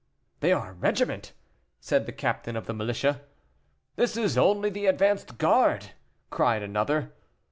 "They are a regiment," said the captain of the militia. "This is only the advanced guard," cried another.